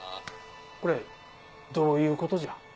これどういうことじゃ？